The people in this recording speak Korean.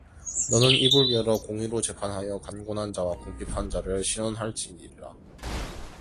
너는 입을 열어 공의로 재판하여 간곤한 자와 궁핍한 자를 신원할지니라